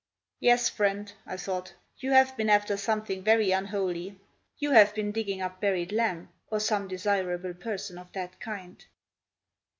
"Yes, friend," I thought, "you have been after something very unholy; you have been digging up buried lamb, or some desirable person of that kind!"